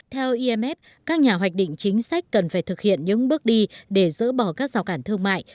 theo imf các nhà hoạch định chính sách cần phải thực hiện những bước đi để dỡ bỏ các rào cản thương mại